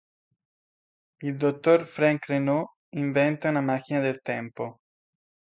Il dottor Frank Reno inventa una macchina del tempo.